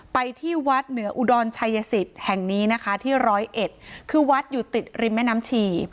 ไปที่วัดเหนืออุดรชัยสิทธิ์แห่งนี้นะคะที่ร้อยเอ็ดคือวัดอยู่ติดริมแม่น้ำชี